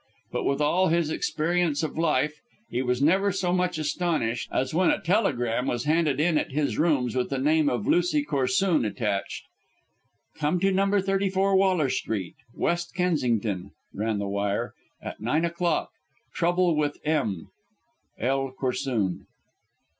But, with all his experience of life, he was never so much astonished as when a telegram was handed in at his rooms with the name of Lucy Corsoon attached. "Come to No. 34, Waller Street, West Kensington," ran the wire, "at nine o'clock. Trouble with M. L. Corsoon."